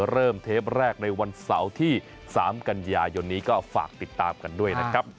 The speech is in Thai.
เทปแรกในวันเสาร์ที่๓กันยายนนี้ก็ฝากติดตามกันด้วยนะครับ